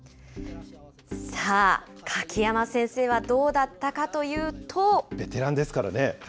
さあ、柿山先生はどうだったかとベテランですからね。